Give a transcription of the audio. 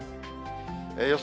予想